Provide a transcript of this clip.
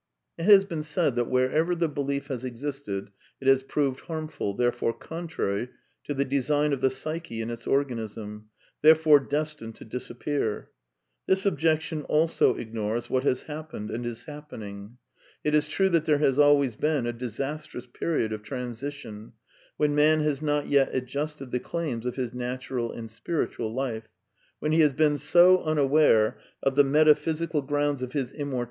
It has been said that wherever the belief has existed it has proved harmful, therefore contrary to the design of the psyche and its organism, therefore destined to disappear. This objection also ignores what has happened and is happening. It is true that there has always been a dis astrous period of transition, when man has not yet adjusted the claims of his natural and spiritual life; when he has been so unaware of the metaphysical grounds of his immor •■